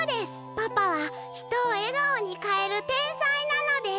パパはひとをえがおにかえるてんさいなのです。